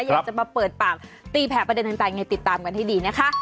อยากจะมาเปิดปากตีแผลประเด็นต่างไงติดตามกันให้ดีนะคะ